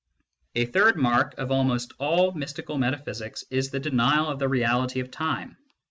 A third mark of almost all mystical metaphysics is the denial of the reality of Time.